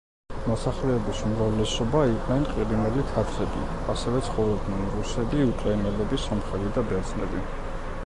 მოსახლეობის უმრავლესობა იყვნენ ყირიმელი თათრები, ასევე ცხოვრობდნენ რუსები, უკრაინელები, სომხები და ბერძნები.